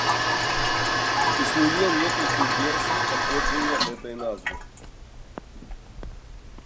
Існуе некалькі версій паходжання гэтай назвы.